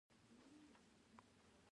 زه د ځان ښه نسخه جوړوم.